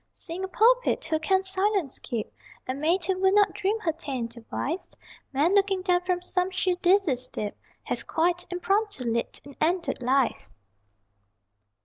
Seeing a pulpit, who can silence keep? A maid, who would not dream her ta'en to wife? Men looking down from some sheer dizzy steep Have (quite impromptu) leapt, and ended life.